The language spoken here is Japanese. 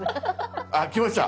あっきました！